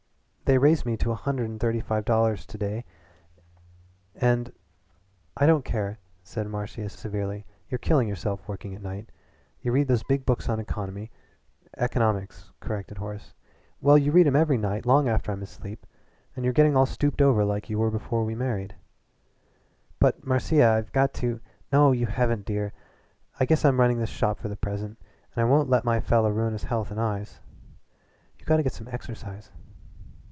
They raised me to a hundred and thirty five dollars to day, and " "I don't care," said Marcia severely. "You're killing yourself working at night. You read those big books on economy " "Economics," corrected Horace. "Well, you read 'em every night long after I'm asleep. And you're getting all stooped over like you were before we were married." "But, Marcia, I've got to " "No, you haven't dear. I guess I'm running this shop for the present, and I won't let my fella ruin his health and eyes. You got to get some exercise."